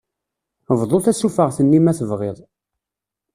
Bḍu tasufeɣt-nni ma tebɣiḍ.